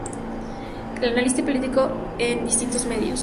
Es analista político en distintos medios.